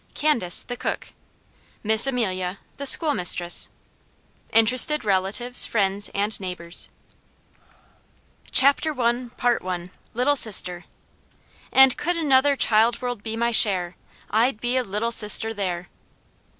CANDACE, the Cook. MISS AMELIA, the School Mistress. Interested Relatives, Friends, and Neighbours. CHAPTER I Little Sister "And could another child world be my share, I'd be a Little Sister there."